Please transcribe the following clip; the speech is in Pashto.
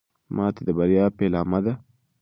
ماتې د بریا پیلامه ده.